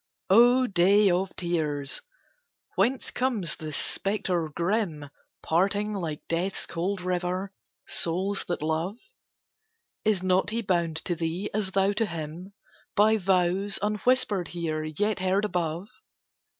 O day of tears! Whence comes this spectre grim, Parting, like Death's cold river, souls that love? Is not he bound to thee, as thou to him, By vows, unwhispered here, yet heard above?